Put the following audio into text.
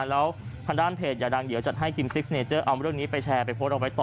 แล้วทางด้านเพจอย่าดังเดี๋ยวจัดให้คิมซิกเนเจอร์เอาเรื่องนี้ไปแชร์ไปโพสต์เอาไว้ต่อ